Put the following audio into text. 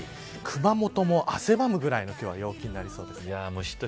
熊本も汗ばむくらいの今日は陽気になりそうです。